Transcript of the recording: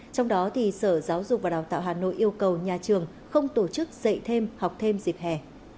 trong đó sở giáo dục và đào tạo hà nội yêu cầu nhà trường không tổ chức dạy thêm học thêm dịp hè